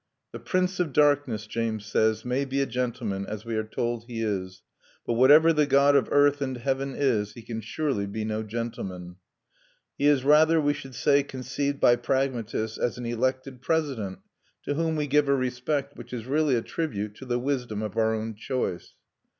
'The prince of darkness,' James says, 'may be a gentleman, as we are told he is, but whatever the God of earth and heaven is, he can surely be no gentleman,' He is rather, we should say, conceived by pragmatists as an elected president, to whom we give a respect which is really a tribute to the wisdom of our own choice.